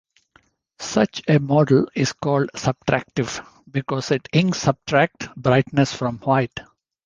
Such a model is called "subtractive" because inks "subtract" brightness from white.